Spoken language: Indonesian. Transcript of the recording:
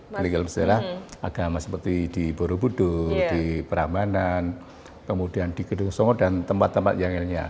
di legal istilah agama seperti di borobudur di perambanan kemudian di gedung songo dan tempat tempat yang lainnya